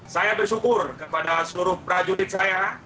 saya bersyukur kepada seluruh prajurit saya